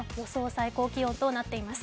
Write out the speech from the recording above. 最高気温となっています。